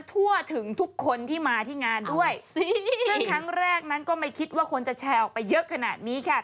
ซึ่งครั้งแรกนั้นก็ไม่คิดว่าคนจะแชร์ออกไปเยอะขนาดนี้กัน